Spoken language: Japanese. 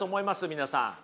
皆さん。